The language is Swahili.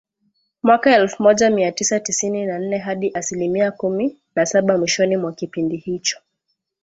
mwaka elfu moja mia tisa tisini na nne hadi asilimia kumi na saba mwishoni mwa kipindi hicho